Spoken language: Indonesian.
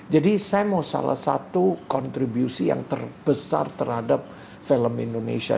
jadi saya mau salah satu kontribusi yang terbesar terhadap film indonesia